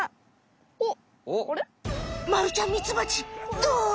まるちゃんミツバチどう？